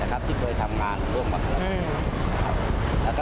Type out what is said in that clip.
พี่ฟูคือทำงานของพวกฮาราเบาแรกครับ